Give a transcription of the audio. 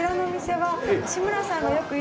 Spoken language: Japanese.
はい。